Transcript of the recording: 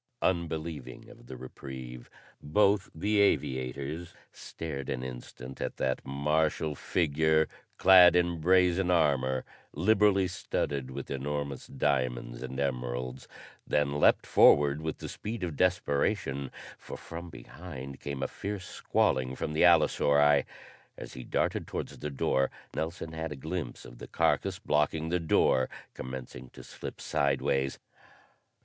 Unbelieving of the reprieve, both the aviators stared an instant at that martial figure clad in brazen armor liberally studded with enormous diamonds and emeralds, then leaped forward with the speed of desperation, for from behind came a fierce squalling from the allosauri. As he darted towards the door Nelson had a glimpse of the carcass blocking the door commencing to slip sidewise.